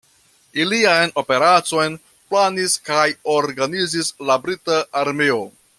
Ilian operacon planis kaj organizis la brita armeo.